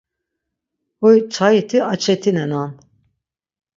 Huy çayiti açetinenan.